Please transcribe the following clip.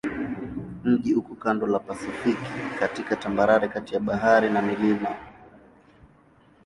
Mji uko kando la Pasifiki katika tambarare kati ya bahari na milima.